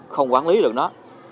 không quản lý được nó